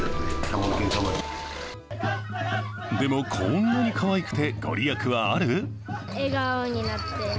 でも、こんなにかわいくて御利益はある。